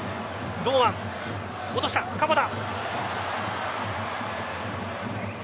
堂安落とした、鎌田。